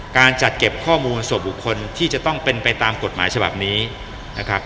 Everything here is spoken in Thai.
การจัดเก็บข้อมูลส่วนบุคคลที่จะต้องเป็นไปตามกฎหมายฉบับนี้นะครับ